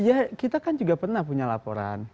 ya kita kan juga pernah punya laporan